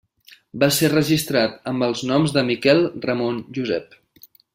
Va ser registrat amb els noms de Miquel Ramon Josep.